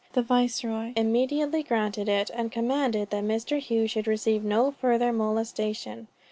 The Viceroy immediately granted it, and commanded that Mr. Hough should receive no further molestation.